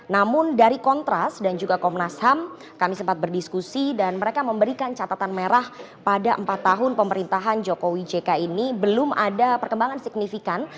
namun dari kontras dan juga komnas ham kami sempat berdiskusi dan mereka memberikan catatan merah pada empat tahun pemerintahan jokowi jk ini belum ada perkembangan signifikan